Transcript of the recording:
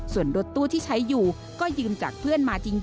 ส่วนรถตู้ที่ใช้อยู่ก็ยืมจากเพื่อนมาจริง